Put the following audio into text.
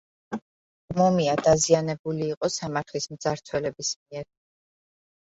მუმია დაზიანებული იყო სამარხის მძარცველების მიერ.